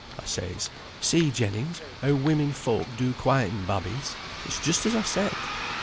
I says: 'See, Jennings, how women folk do quieten babbies; it's just as I said.'